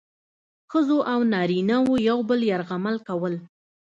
ښځو او نارینه وو یو بل یرغمل کول.